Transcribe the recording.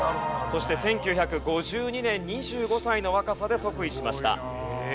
そして１９５２年２５歳の若さで即位しました。